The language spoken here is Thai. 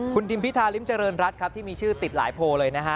คุณทิมพิธาริมเจริญรัฐครับที่มีชื่อติดหลายโพลเลยนะฮะ